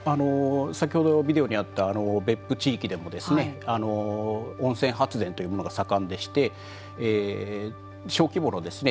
先ほどビデオにあった別府地域でもですね温泉発電というものが盛んでして小規模のですね